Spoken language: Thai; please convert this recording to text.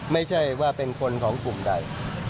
ไม่ใช่ว่าเป็นคนของกลุ่มใด